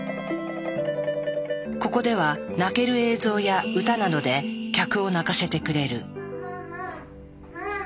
ここでは泣ける映像や歌などで客を泣かせてくれる。